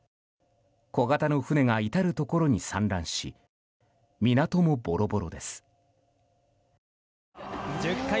小型の船が至るところに散乱し港もボロボロです。